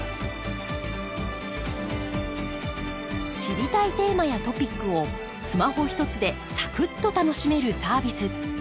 知りたいテーマやトピックをスマホひとつでサクッと楽しめるサービス。